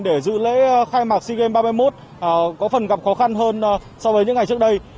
để dự lễ khai mạc sea games ba mươi một có phần gặp khó khăn hơn so với những ngày trước đây